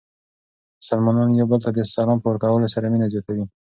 مسلمانان یو بل ته د سلام په ورکولو سره مینه زیاتوي.